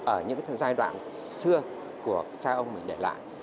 ở những cái giai đoạn xưa của cha ông mình để lại